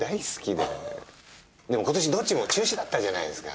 でも今年どっちも中止だったじゃないですか。